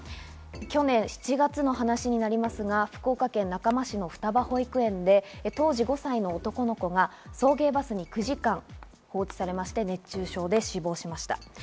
去年７月の話になりますが、福岡県中間市の双葉保育園で当時５歳の男の子が送迎バスに９時間放置されて熱中症で死亡しました。